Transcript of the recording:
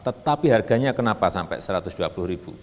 tetapi harganya kenapa sampai rp satu ratus dua puluh